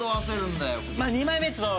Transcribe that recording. ２枚目ちょっと。